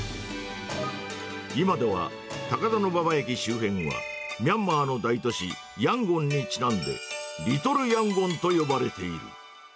今では、高田馬場駅周辺は、ミャンマーの大都市、ヤンゴンにちなんで、リトル・ヤンゴンと呼ばれている。